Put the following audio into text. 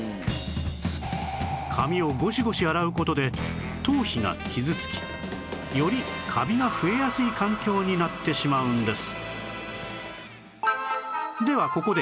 髪をゴシゴシ洗う事で頭皮が傷つきよりカビが増えやすい環境になってしまうんです